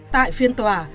tại phiên tòa